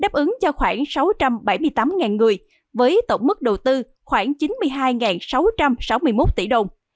đáp ứng cho khoảng sáu trăm bảy mươi tám người với tổng mức đầu tư khoảng chín mươi hai sáu trăm sáu mươi một tỷ đồng